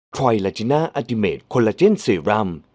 ดูแล้วคงไม่รอดเพราะเราคู่กัน